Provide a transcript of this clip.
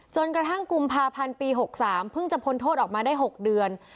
จนกระทั่งกุมภาพันธ์ปี๖๓เพิ่งจะพ้นโทษออกมาได้๖เดือน